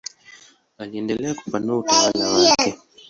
Aliendelea kupanua utawala wake.